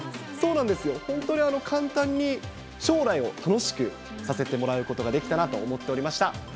そうなんですよ、簡単に将来を楽しくさせてもらうことができたなと思っておりました。